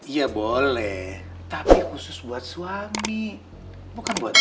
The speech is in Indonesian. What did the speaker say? iya boleh tapi khusus buat suami bukan buat istri